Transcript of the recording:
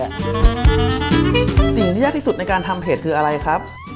สิ่งที่ยากที่สุดในการทำเผ็ดคืออะไรครับ